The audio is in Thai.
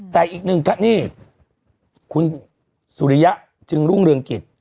แต่อีกหนึ่งท่านนี่คุณสุริยะจึงรุ่งเรืองกิจ